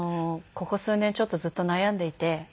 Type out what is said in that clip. ここ数年ちょっとずっと悩んでいて。